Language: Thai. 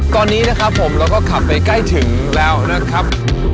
ตอนนี้นะครับผมเราก็ขับไปใกล้ถึงแล้วนะครับ